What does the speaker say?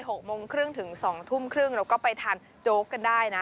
หกโมงครึ่งถึงสองทุ่มครึ่งเราก็ไปทานโจ๊กกันได้นะ